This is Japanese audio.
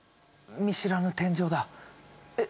見知らぬ天井だ。え？